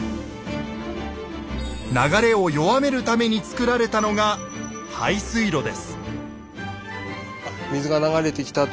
流れを弱めるためにつくられたのがなるほど！